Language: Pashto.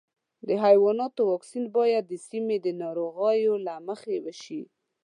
د حیواناتو واکسین باید د سیمې د ناروغیو له مخې وشي.